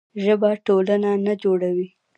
ژبه ټولنه نه جوړوي.